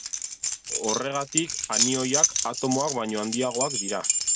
Horregatik anioiak atomoak baino handiagoak dira.